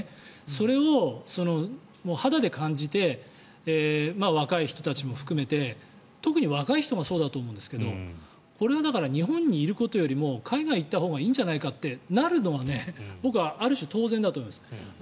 それを肌で感じて若い人たちも含めて特に若い人がそうだと思うんですけどこれはだから日本にいることより海外に行ったほうがいいんじゃないかってなるのは僕はある種当然だと思います。